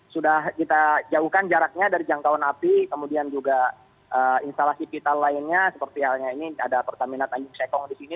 sudah kita jauhkan jaraknya dari jangkauan api kemudian juga instalasi vital lainnya seperti halnya ini ada pertamina tanjung sekong di sini